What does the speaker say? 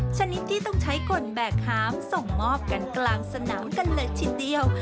ชนิดที่ต้องใช้คนแบกหามส่งมอบกันกลางสนามกันเลยทีเดียว